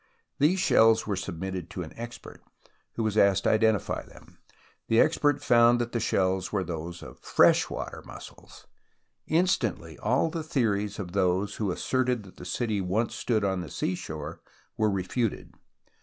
These shells were submitted to an expert, who was asked to identify them. The expert found that the shells were those of fresh water mussels. Instantly all the theories of those who asserted that the city once stood on the seashore were refuted.